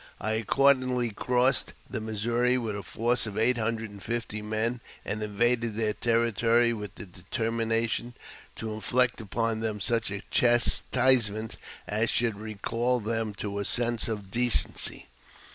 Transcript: I accordingly crossed the Missouri with a force of eight hundred and fifty men, and invaded their territory with the determination to inflict upon them such a chastisement as should recall them to a sense of decency.